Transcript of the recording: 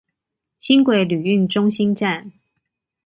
輕軌旅運中心站